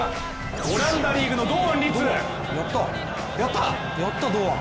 オランダリーグの、堂安律。